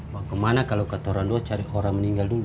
bagaimana kalo ketoran dua cari orang meninggal dulu